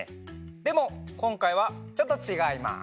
でもこんかいはちょっとちがいます。